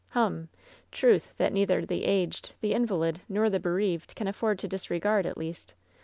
"Hum ! Truth that neither the aged, the invalid nor the bereaved can afford to disregard, at least.